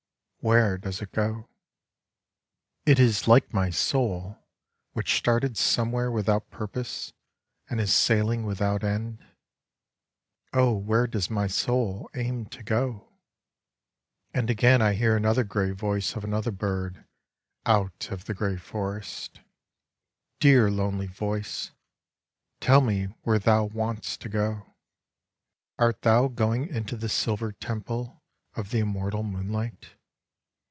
Where does it go ? It is like my soul which started somewhere without purpose, and is sailing without end. Oh, where does my soul aim to go ? And again I hear another gray voice of another bird out of the gray forest. Dear lonely Voice, tell me where thou want'st to go ! Art thou going into the silver temple of the immortal moonlight?